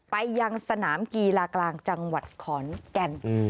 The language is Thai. ไปยังสนามกีฬากลางจังหวัดขอนแก่น